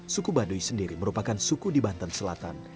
suku baduy sendiri merupakan suku di banten selatan